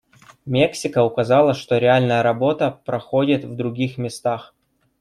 Мексика указала, что реальная работа проходит в других местах.